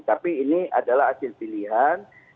tapi ini adalah hasil pilihan